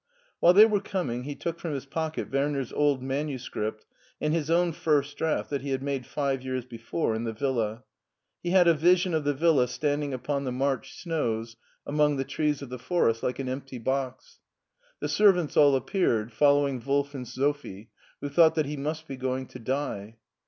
'* While they were coming he took from his pocket Werner's old manuscript and his own first draft that he had made five years before in the villa. He had a vision of the villa standing upon the March snows SCHWARZWALD 305 among the trees of the forest like an empty box. The servants all appeared, following Wolf and Sophie, who thought that he must be going to die.